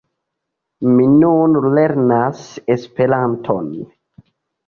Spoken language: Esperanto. Mi nun lernas Esperanton.